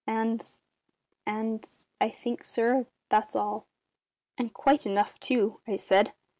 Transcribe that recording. And and I think, sir, that's all." "And quite enough, too," I said.